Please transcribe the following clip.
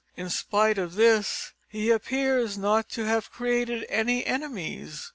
In spite of this he appears not to have created any enemies.